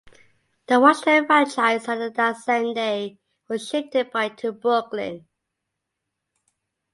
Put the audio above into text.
The Washington franchise on that same day was shifted to Brooklyn.